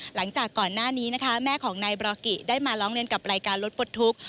หลังจากก่อนหน้านี้นะคะแม่ของนายบรากิได้มาร้องเรียนกับรายการรถปลดทุกข์